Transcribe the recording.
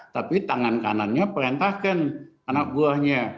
tapi tangan kanannya perintahkan anak buahnya